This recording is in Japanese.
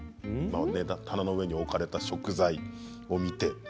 棚の上に置かれた食材を見て。